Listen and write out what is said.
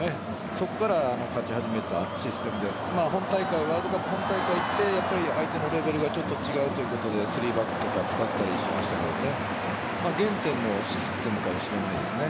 そこから勝ち始めたシステムでワールドカップ本大会行って相手のレベルがちょっと違うということで３バックとか使ったりしましたが原点のシステムかもしれないですね。